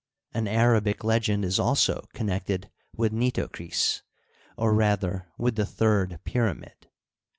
An Arabic legend is also connected with Nitocris, or, rather, with the third pyramid.